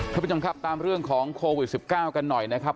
ท่านผู้ชมครับตามเรื่องของโควิด๑๙กันหน่อยนะครับ